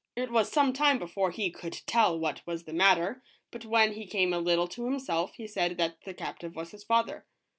It was some time before he could tell what was the 140 ROBINSON CRUSOE. matter, but when he came a little to himself he said that the captive was his father.